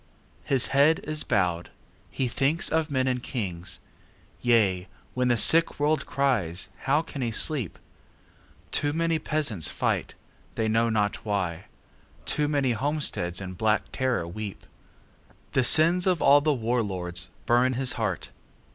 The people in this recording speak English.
His head is bowed. He thinks of men and kings. Yea, when the sick world cries, how can he sleep? Too many peasants fight, they know not why; Too many homesteads in black terror weep. The sins of all the war lords burn his heart.